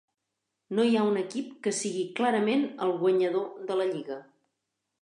No hi ha un equip que sigui clarament el guanyador de la lliga.